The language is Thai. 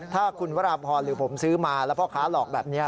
ถ้าคุณวราพรหรือผมซื้อมาแล้วพ่อค้าหลอกแบบนี้